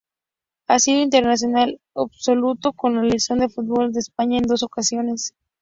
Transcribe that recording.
Ha sido internacional absoluto con la Selección de fútbol de España en dos ocasiones.